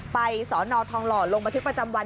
ไปศนทองหล่อลงมาทฤกษณ์ประจำวัน